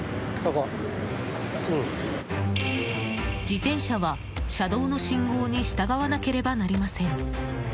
自転車は、車道の信号に従わなければなりません。